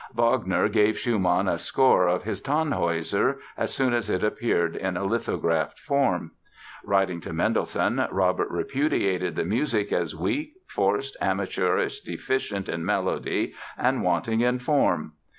Wagner gave Schumann a score of his "Tannhäuser" as soon as it appeared in a lithographed form. Writing to Mendelssohn Robert repudiated the music as weak, forced, amateurish, deficient in melody and wanting in form.